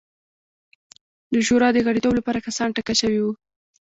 د شورا د غړیتوب لپاره کسان ټاکل شوي وو.